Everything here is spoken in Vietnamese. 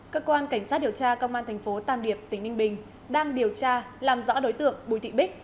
cơ quan cảnh sát điều tra công an tp tàm điệp tỉnh ninh bình đang điều tra làm rõ đối tượng bùi thị bích